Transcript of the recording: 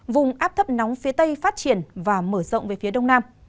vùng áp thấp nóng phía tây phát triển và mở rộng về phía đông nam